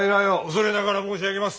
恐れながら申し上げます。